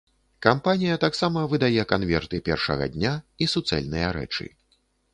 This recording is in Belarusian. Кампанія таксама выдае канверты першага дня і суцэльныя рэчы.